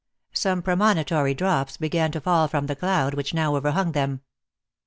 Some premonitory drops began to fall from the cloud, which now overhung them.